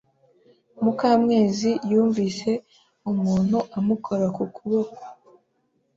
Mukamwezi yumvise umuntu amukora ku kuboko.